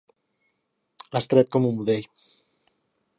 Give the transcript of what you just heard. Estret com un budell.